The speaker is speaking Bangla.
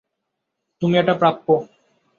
তুমি এটা প্রাপ্য।